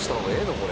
これ。